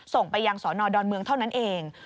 ส่งไปยังสอนอดอนเมืองเท่านั้นเอง